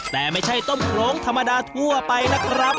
แต่ไม่ใช่ต้มโครงธรรมดาทั่วไปนะครับ